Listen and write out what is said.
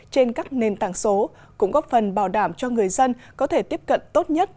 trên các nền tảng số cũng góp phần bảo đảm cho người dân có thể tiếp cận tốt nhất